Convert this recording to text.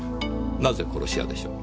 なぜ殺し屋でしょう？